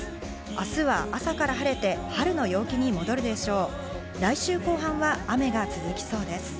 明日は朝から晴れて、春の陽気に戻るでしょう。